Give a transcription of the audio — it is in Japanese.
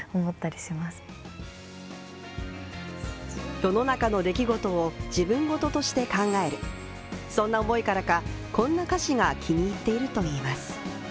世の中の出来事を自分事として考える、そんな思いからかこんな歌詞が気に入っているといいます。